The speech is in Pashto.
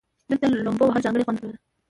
دلته لومبو وهل ځانګړى خوند درلودو.